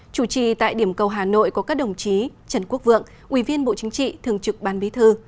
chủ trì tại điểm cầu hà nội có các đồng chí trần quốc vượng ủy viên bộ chính trị thường trực ban bí thư